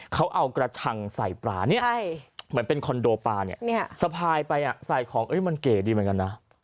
เขาเอากระชังใส่ปลาเนี่ยเหมือนเป็นคอนโดปลาเนี่ยสะพายไปใส่ของมันเก๋ดีเหมือนกันนะ